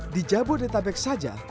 di jabodetabek saja